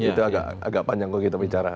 itu agak panjang kalau kita bicara